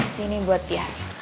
sini buat dia